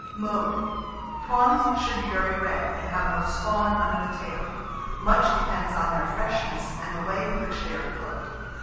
Mode. Prawns should be very red, and have no spawn under the tail; much depends on their freshness and the way in which they are cooked.